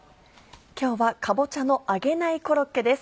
今日は「かぼちゃの揚げないコロッケ」です。